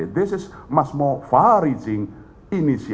ini adalah inisiatif yang jauh lebih mencapai